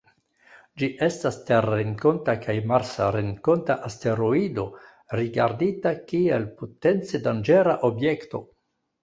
Ĝi estas terrenkonta kaj marsrenkonta asteroido, rigardita kiel potence danĝera objekto.